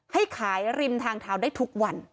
ให้ขายริมทางเท้าได้ทุกวัน